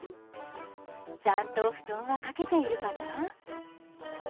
ちゃんと布団はかけているかな？